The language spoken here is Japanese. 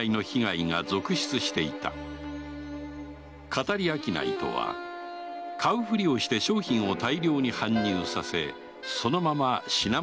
騙り商いとは買うふりをして商品を大量に搬入させそのまま品物ごと姿を消す